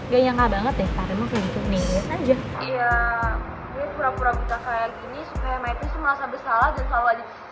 gaya yang khal banget deh pak raymond kayak gitu nih lihat aja